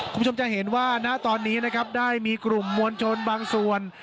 คุณผู้ชมจะเห็นว่าณตอนนี้นะครับได้มีกลุ่มมวลชนบางส่วน